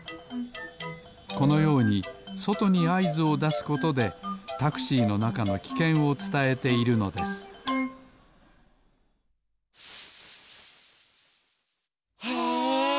このようにそとにあいずをだすことでタクシーのなかのきけんをつたえているのですへえ！